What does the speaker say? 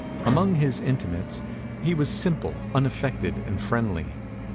Among his intimates, he was simple, unaffected and friendly.